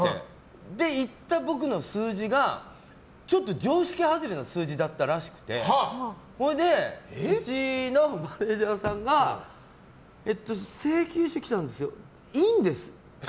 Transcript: それで言った僕の数字がちょっと常識外れの数字だったらしくてそれで、うちのマネジャーさんが請求書来たんですけどいいんですか？